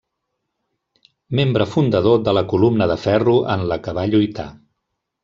Membre fundador de la Columna de Ferro, en la que va lluitar.